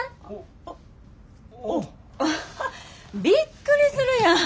おおびっくりするやん。